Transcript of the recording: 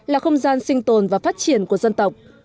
là không gian sinh tồn và phát triển của dân tộc